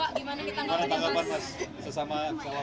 gimana tanggapan mas sesama sama presiden